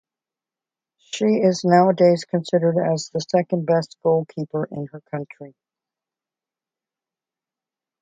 She is nowadays considered as the second best goalkeeper in her country.